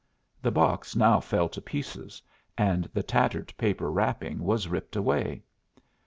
The box now fell to pieces, and the tattered paper wrapping was ripped away.